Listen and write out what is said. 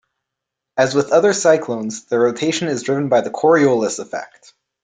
As with other cyclones, their rotation is driven by the Coriolis effect.